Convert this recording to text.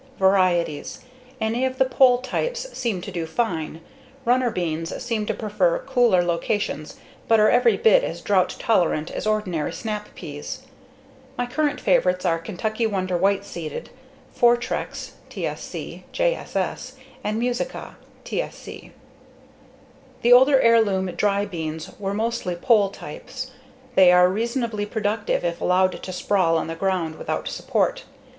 Varieties: Any of the pole types seem to do fine. Runner beans seem to prefer cooler locations but are every bit as drought tolerant as ordinary snap beans. My current favorites are Kentucky Wonder White Seeded, Fortrex (TSC, JSS), and Musica (TSC). The older heirloom dry beans were mostly pole types. They are reasonably productive if allowed to sprawl on the ground without support.